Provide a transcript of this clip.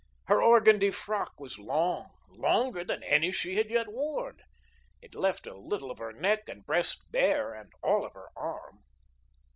Her organdie frock was long, longer than any she had yet worn. It left a little of her neck and breast bare and all of her arm.